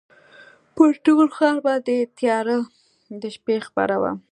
پر ټول ښار باندي تیاره د شپې خپره وه